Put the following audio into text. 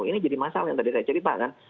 ini jadi masalah yang tadi saya cerita kan